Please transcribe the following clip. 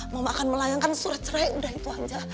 mama akan melayangkan surat cerai udah itu aja